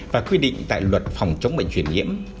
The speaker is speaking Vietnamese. và quy định tại luật phòng chống bệnh truyền nhiễm